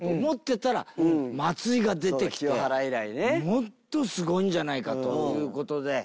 もっとすごいんじゃないかという事で。